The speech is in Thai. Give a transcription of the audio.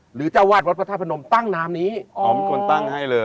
หรือเจ้าวาดวัดพระธรรมดรตั้งนามนี้อ๋อคนตั้งให้เลย